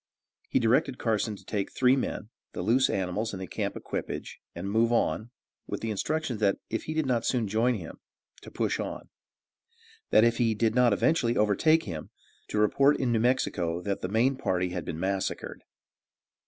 He directed Carson to take three men, the loose animals and the camp equipage, and move on, with the instructions, that if he did not soon join him, to push on; that if he did not eventually overtake him, to report in New Mexico that the main party had been massacred.